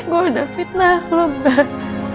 gue udah fitnah lo mbak